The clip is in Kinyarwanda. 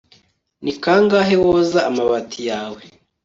Ni kangahe woza amabati yawe